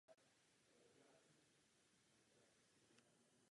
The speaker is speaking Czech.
Hovořme s nimi a obchodujme s nimi, neboť to potřebujeme.